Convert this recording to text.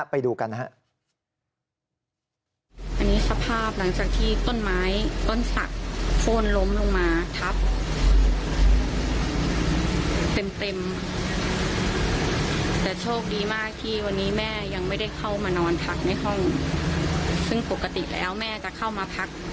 ไปดูกันนะฮะ